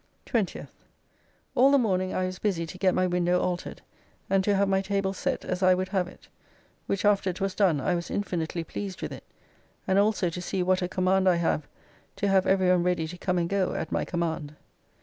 20th. All the morning I was busy to get my window altered, and to have my table set as I would have it, which after it was done I was infinitely pleased with it, and also to see what a command I have to have every one ready to come and go at my command.